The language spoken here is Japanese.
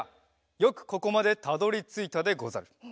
よくここまでたどりついたでござる！